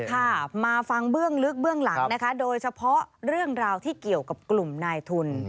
ค่ะมาฟังเบื้องลึกเบื้องหลังนะคะโดยเฉพาะเรื่องราวที่เกี่ยวกับกลุ่มนายทุน